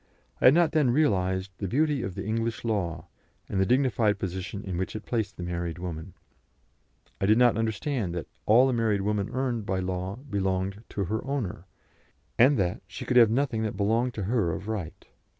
I had not then realised the beauty of the English law, and the dignified position in which it placed the married woman; I did not understand that all a married woman earned by law belonged to her owner, and that she could have nothing that belonged to her of right.